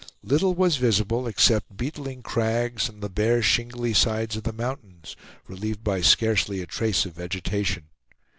Little was visible except beetling crags and the bare shingly sides of the mountains, relieved by scarcely a trace of vegetation.